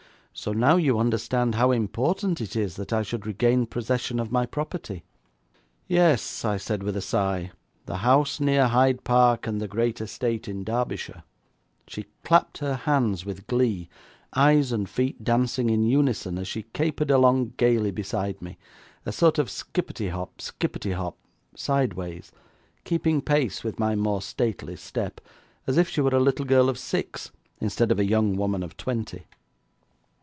'So now you understand how important it is that I should regain possession of my property?' 'Yes,' I said with a sigh; 'the house near Hyde Park and the great estate in Derbyshire.' She clapped her hands with glee, eyes and feet dancing in unison, as she capered along gaily beside me; a sort of skippety hop, skippety hop, sideways, keeping pace with my more stately step, as if she were a little girl of six instead of a young woman of twenty.